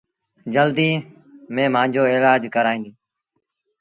جلديٚ ميݩ مآݩجو ايلآج ڪرآيآندي